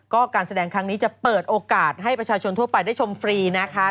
ก็การแสดงครั้งนี้จะเปิดโอกาสให้ประชาชนทั่วไปได้ชมฟรีนะคะ